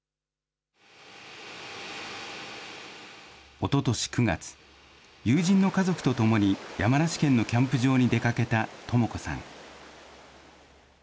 おととし９月、友人の家族と共に山梨県のキャンプ場に出かけたとも子さん。